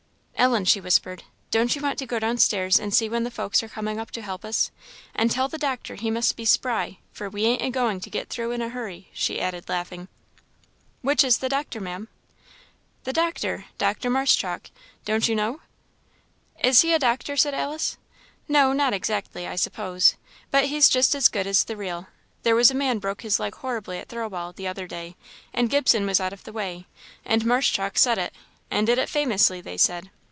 "Ellen," she whispered, "don't you want to go downstairs and see when the folks are coming up to help us? And tell the doctor he must be spry, for we ain't agoing to get through in a hurry," she added, laughing. "Which is the doctor, Maam?" "The doctor! Doctor Marshchalk! don't you know?" "Is he a doctor?" said Alice. "No, not exactly, I suppose, but he's just as good as the real. There was a man broke his leg horribly at Thirlwall, the other day, and Gibson was out of the way, and Marshchalk set it, and did it famously they said.